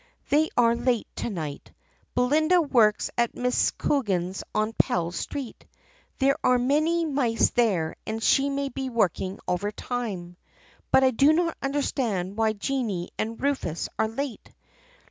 'They are late to night. Belinda works at Mrs. Coogan's on Pell Street. There are many mice there and she may be working overtime. But I do not understand why Jennie and Rufus are late.